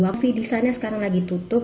dua coffee di sana sekarang lagi tutup